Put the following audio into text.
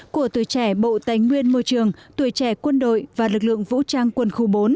của tuổi trẻ bộ tài nguyên môi trường tuổi trẻ quân đội và lực lượng vũ trang quân khu bốn